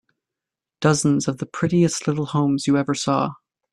Dozens of the prettiest little homes you ever saw.